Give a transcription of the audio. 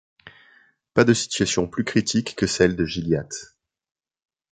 Pas de situation plus critique que celle de Gilliatt.